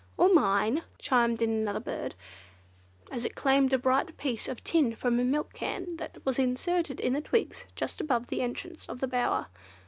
"Or mine," chimed in another bird, as it claimed a bright piece of tin from a milk can that was inserted in the twigs just above the entrance of the bower.